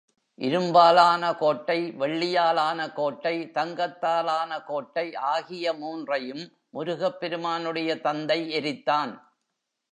இரும்பாலான கோட்டை, வெள்ளியால் ஆன கோட்டை, தங்கத்தாலான கோட்டை ஆகிய மூன்றையும் முருகப் பெருமானுடைய தந்தை எரித்தான்.